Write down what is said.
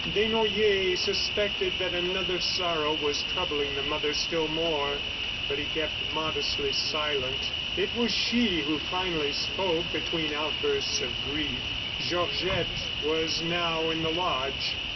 ... Desnoyers suspected that another sorrow was troubling the mother still more, but he kept modestly silent. It was she who finally spoke, between outbursts of grief. ... Georgette was now in the lodge.